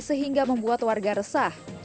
sehingga membuat warga resah